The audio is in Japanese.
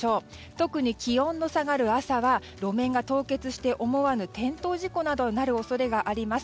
特に気温の下がる朝は路面が凍結して思わぬ転倒事故などになる恐れがあります。